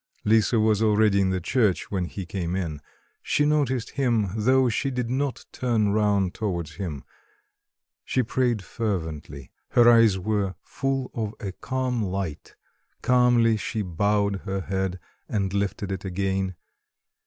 Lisa was already in the church when he came in. She noticed him though she did not turn round towards him. She prayed fervently, her eyes were full of a calm light, calmly she bowed her head and lifted it again.